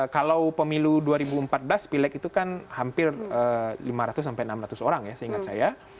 kalau pemilu dua ribu empat belas pilek itu kan hampir lima ratus sampai enam ratus orang ya seingat saya